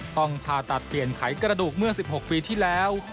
ต้องผ่าตัดเปลี่ยนไขกระดูกเมื่อ๑๖ปีที่แล้ว